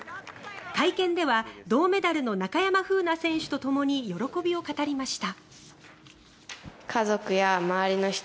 会見では銅メダルの中山楓奈選手とともに喜びを語りました。